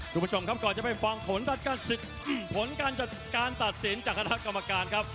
คุณผู้ชมครับก่อนจะไปฟังผลการจัดการตัดสินจากคณะกรรมการครับ